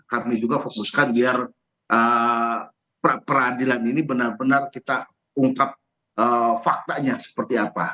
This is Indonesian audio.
kami juga fokuskan biar peradilan ini benar benar kita ungkap faktanya seperti apa